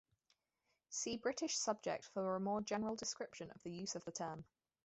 See British subject for a more general description of the use of the term.